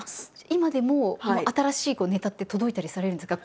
今でも新しいネタって届いたりされるんですか？